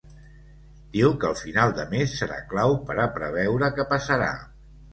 Diu que el final de mes serà clau per a preveure què passarà.